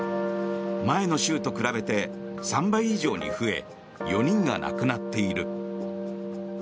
前の週と比べて３倍以上に増え４人が亡くなっている。